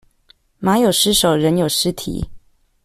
馬有失手，人有失蹄